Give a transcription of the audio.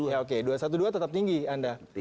iya oke dua ratus dua belas tetap tinggi anda